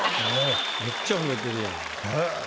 めっちゃ褒めてるやん。